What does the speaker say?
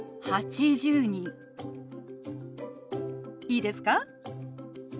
いいですか？